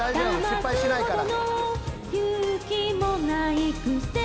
失敗しないから。